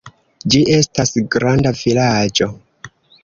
Ĝi estas granda vilaĝo.